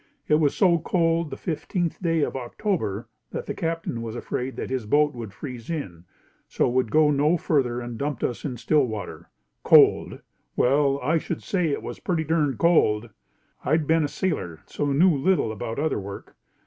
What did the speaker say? It was so cold the fifteenth day of October that the Captain was afraid that his boat would freeze in, so would go no further and dumped us in Stillwater. Cold! Well, I should say it was pretty durned cold! I had been a sailor, so knew little about other work.